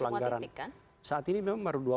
pelanggaran tapi belum di semua titik kan saat ini memang